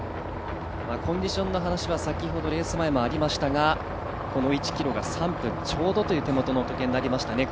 コンディションの話は先ほどレース前もありましたがこの１キロが３分ちょうどという手元の時計になりましたね。